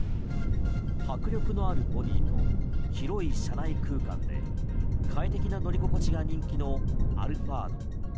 迫力のあるボディーと広い車内空間で快適な乗り心地が人気のアルファード。